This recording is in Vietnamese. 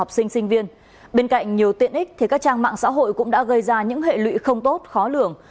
trên cạnh nhiều tiện ích thì các trang mạng xã hội cũng đã gây ra những hệ lụy không tốt khó lường